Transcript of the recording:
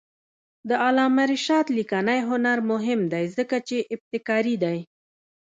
د علامه رشاد لیکنی هنر مهم دی ځکه چې ابتکاري دی.